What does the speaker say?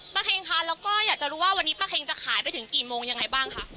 เค็งคะแล้วก็อยากจะรู้ว่าวันนี้ป้าเค็งจะขายไปถึงกี่โมงยังไงบ้างคะ